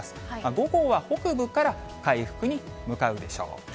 午後は北部から回復に向かうでしょう。